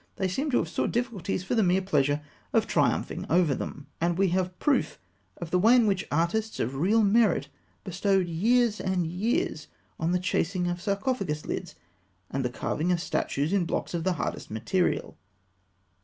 They seem to have sought difficulties for the mere pleasure of triumphing over them; and we have proof of the way in which artists of real merit bestowed years and years on the chasing of sarcophagus lids and the carving of statues in blocks of the hardest material.